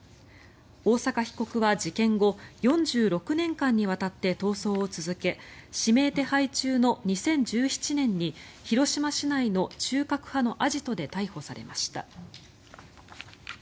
大坂被告は事件後４６年間にわたって逃走を続け指名手配中の２０１７年に広島市内の中核派のアジトで逮捕されました。